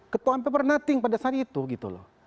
ketua mpper nothing pada saat itu gitu loh